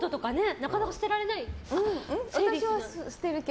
なかなか捨てられない？